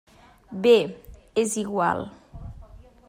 Bé, és igual.